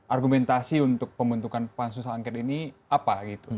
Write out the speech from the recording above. argumentasi untuk pembentukan pansus angket ini apa gitu